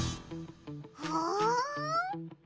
ふん！